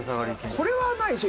「これはないでしょ。